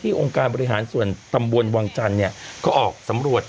องค์การบริหารส่วนตำบลวังจันทร์เนี่ยก็ออกสำรวจ